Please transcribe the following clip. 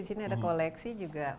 disini ada koleksi juga